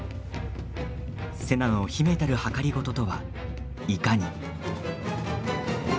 瀬名の秘めたるはかりごととはいかに。